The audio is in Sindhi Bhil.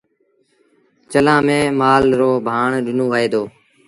چلآݩ ميݩ مآل رو ڀآڻ ڏنو وهي دو۔